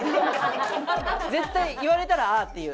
絶対言われたら「ああー！」って言う。